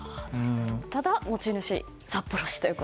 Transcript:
ただ、持ち主は札幌市と。